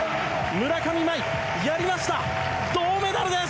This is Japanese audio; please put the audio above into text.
村上茉愛やりました銅メダルです！